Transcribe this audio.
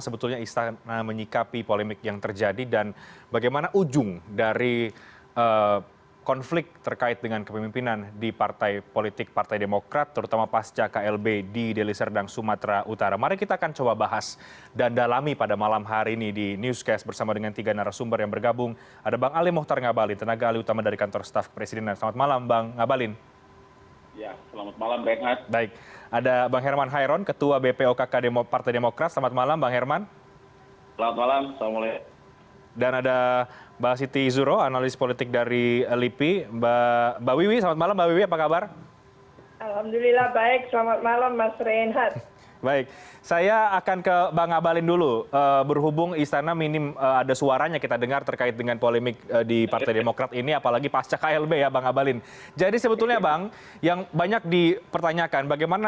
sebetulnya materi ini sudah berbusa busa kita jelaskan ya